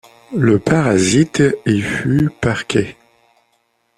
Le Parasite y fut parqué.